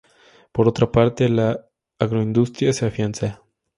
Por otra parte, la agroindustria se afianza.